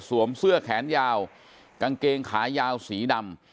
เสื้อแขนยาวกางเกงขายาวสีดำ